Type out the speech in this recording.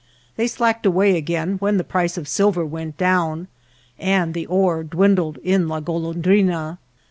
They slacked away again when the price of silver went down, and the ore dwindled in La Golondrina.